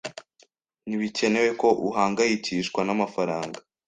Ntibikenewe ko uhangayikishwa n'amafaranga.